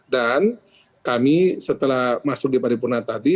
dan kami setelah masuk di paripurna tadi